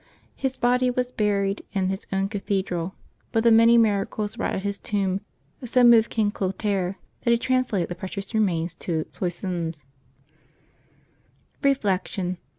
His body was buried in his own cathedral, but the many miracles wrought at his tomb so moved King Clotaire that he trans lated the precious remains to Soissons. Reflection.